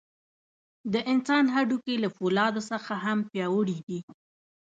د انسان هډوکي له فولادو څخه هم پیاوړي دي.